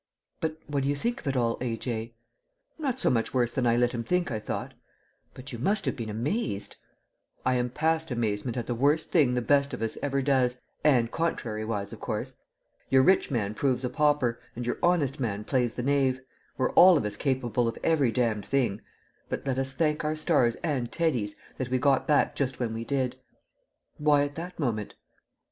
"But what do you think of it all, A.J.?" "Not so much worse than I let him think I thought." "But you must have been amazed?" "I am past amazement at the worst thing the best of us ever does, and contrariwise of course. Your rich man proves a pauper, and your honest man plays the knave; we're all of us capable of every damned thing. But let us thank our stars and Teddy's that we got back just when we did." "Why at that moment?"